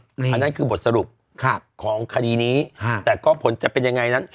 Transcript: อันนั้นคือบทสรุปของคดีนี้แต่ก็ผลจะเป็นยังไงนั้น